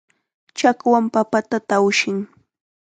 Chakwam papata tawshin.